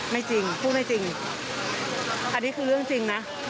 ไม่จริงพูดไม่จริงอันนี้คือเรื่องจริงนะ